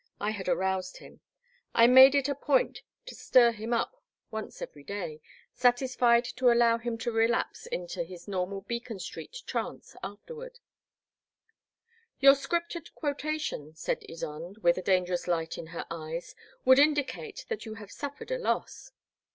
I had aroused him. I made it a point to stir him up once every day, satisfied to allow him to relapse into his normal Beacon Street trance afterward. " i6i 1 62 The Black Water. Your scriptural quotation, *' said Ysonde, with a dangerous light in her eyes, would indicate that you have suffered a loss.'